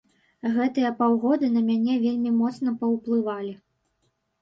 Гэтыя паўгода на мяне вельмі моцна паўплывалі.